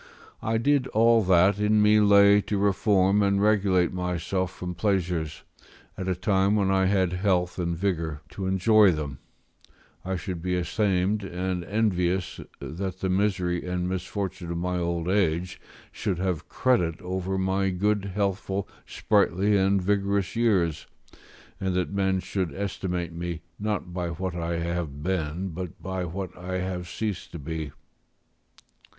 I did all that in me lay to reform and regulate myself from pleasures, at a time when I had health and vigour to enjoy them; I should be ashamed and envious that the misery and misfortune of my old age should have credit over my good healthful, sprightly, and vigorous years, and that men should estimate me, not by what I have been, but by what I have ceased to be.